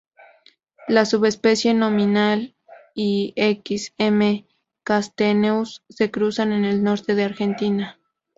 La subespecie nominal y "X. m. castaneus" se cruzan en el norte de Argentina.